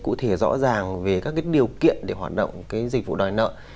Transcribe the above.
cụ thể rõ ràng về các cái điều kiện để hoạt động cái dịch vụ đòi nợ